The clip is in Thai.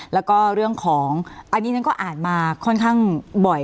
แล้วก็เรื่องของอันนี้ฉันก็อ่านมาค่อนข้างบ่อย